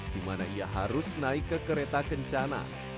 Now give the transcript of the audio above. di mana ia harus naik ke kereta kencana